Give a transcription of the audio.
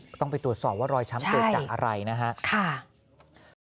ก็ต้องไปตรวจสอบว่ารอยช้ำเกิดจากอะไรนะคะค่ะใช่ค่ะ